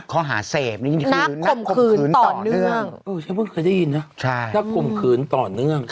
ข้อหาเสพนี่คือนักข่มขืนต่อเนื่อง